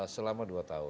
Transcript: selama dua tahun